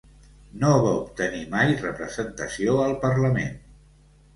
No va obtenir mai representació al Parlament.